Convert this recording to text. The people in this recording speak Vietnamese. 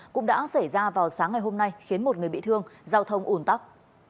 cũng đã xảy ra vào sáng ngày hôm nay khiến một người bị thương giao thông ủn tắc